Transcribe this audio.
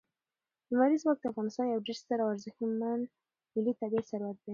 لمریز ځواک د افغانستان یو ډېر ستر او ارزښتمن ملي طبعي ثروت دی.